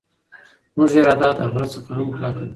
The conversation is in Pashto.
زموږ اراده له غره څخه هم کلکه ده.